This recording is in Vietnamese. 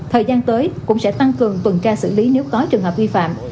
thời gian tới cũng sẽ tăng cường tuần tra xử lý nếu có trường hợp vi phạm